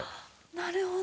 なるほど。